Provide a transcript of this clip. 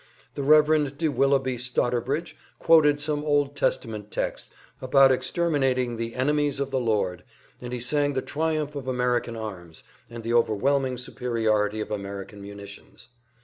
The Rev. de Willoughby Stotterbridge quoted some Old Testament text about exterminating the enemies of the Lord, and he sang the triumph of American arms, and the overwhelming superiority of American munitions.